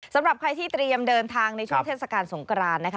สำหรับใครที่เตรียมเดินทางในช่วงเทศกาลสงกรานนะคะ